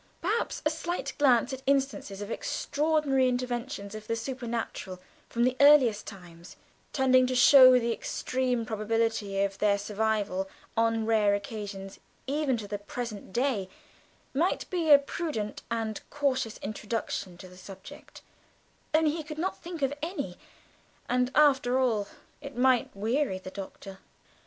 Perhaps a slight glance at instances of extraordinary interventions of the supernatural from the earliest times, tending to show the extreme probability of their survival on rare occasions even to the present day, might be a prudent and cautious introduction to the subject only he could not think of any, and, after all, it might weary the Doctor.